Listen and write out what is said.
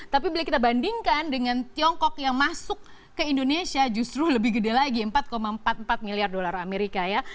tapi bila kita bandingkan dengan tiongkok yang masuk ke indonesia justru lebih gede lagi empat empat puluh empat miliar dolar amerika ya